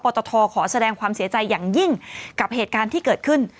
ตทขอแสดงความเสียใจอย่างยิ่งกับเหตุการณ์ที่เกิดขึ้น